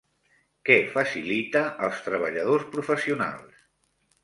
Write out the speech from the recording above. Què facilita als treballadors professionals?